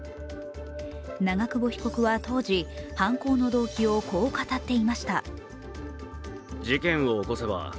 長久保被告は当時、犯行の動機をこう語っていました。